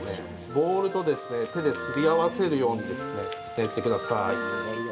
ボウルと手ですり合わせるように練ってください。